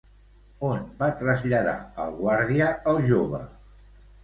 On va traslladar el guàrdia al jove?